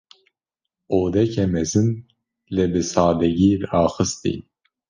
Odeke mezin; lê bi sadegî raxistî.